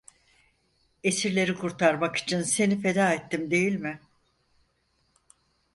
Esirleri kurtarmak için seni feda ettim değil mi?